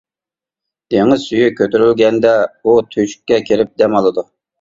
دېڭىز سۈيى كۆتۈرۈلگەندە، ئۇ تۆشۈككە كىرىپ دەم ئالىدۇ.